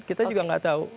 kita juga enggak tahu